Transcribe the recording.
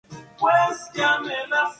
Hay más que solo eso.